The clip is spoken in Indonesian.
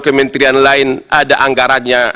kementerian lain ada anggarannya